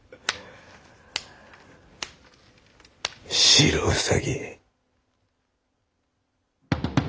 白兎。